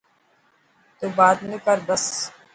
تون بات نه ڪر بس.